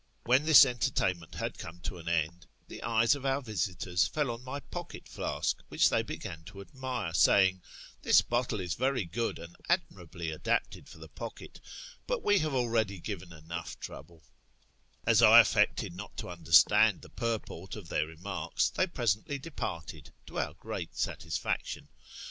When this entertainment had come to an end, the eyes of our visitors fell on my pocket flask, which they began to admire, saying, " This bottle is very good, and admirably adapted for the pocket ... but we have already given enough trouble." 74 A YEAR AMONGST THE PERSIANS As I affected not to uiiderstaiul tlio purport of their remarks, tliey ])re.sently departed, to our ^i;reat satisfaction.